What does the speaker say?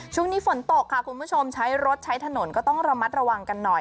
ช่วงนี้ฝนตกค่ะคุณผู้ชมใช้รถใช้ถนนก็ต้องระมัดระวังกันหน่อย